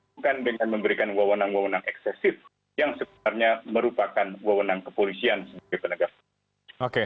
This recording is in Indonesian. bukan dengan memberikan kewenangan eksesif yang sebenarnya merupakan kewenangan kepolisian sebagai penegak